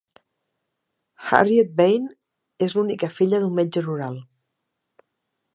Harriet Vane és l'única filla d'un metge rural.